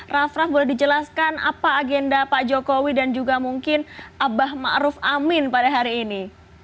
rafraf boleh dijelaskan apa agenda pak jokowi dan juga mungkin abah maruf amin pada hari ini